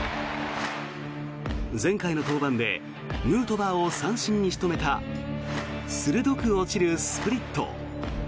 前回の登板でヌートバーを三振に仕留めた鋭く落ちるスプリット。